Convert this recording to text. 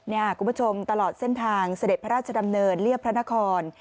คุณผู้ชมตลอดเส้นทางเสด็จพระราชดำเนินเรียบพระนคร